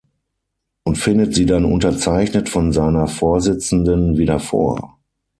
Und findet sie dann unterzeichnet von seiner Vorsitzenden wieder vor.